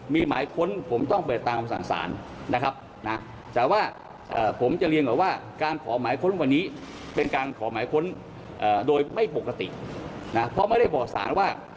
มีการบอกว่าตรวจสอบวัตถะเบียนบ้านหลังที่ไปตรวจคนนะคะ